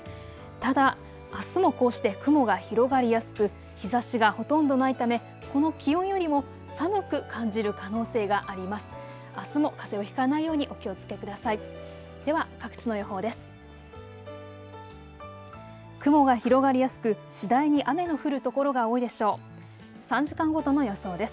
ただ、あすもこうして雲が広がりやすく日ざしがほとんどないためこの気温よりも寒く感じる可能性があります。